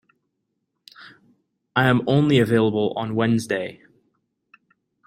I am only available on Wednesday.